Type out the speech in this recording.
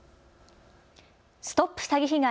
ＳＴＯＰ詐欺被害！